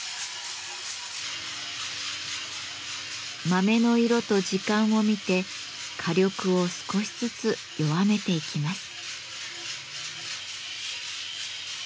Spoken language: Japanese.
豆の色と時間を見て火力を少しずつ弱めていきます。